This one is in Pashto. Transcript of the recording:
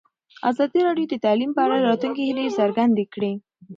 ازادي راډیو د تعلیم په اړه د راتلونکي هیلې څرګندې کړې.